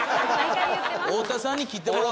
太田さんに切ってもらおう。